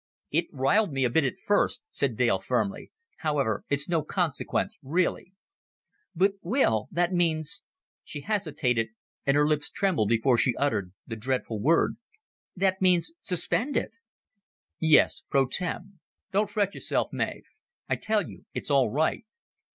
"It riled me a bit at first," said Dale firmly. "However, it's no consequence really." "But, Will, that means " She hesitated, and her lips trembled before she uttered the dreadful word "That means suspended!" "Yes pro tem. Don't fret yourself, Mav. I tell you it's all right."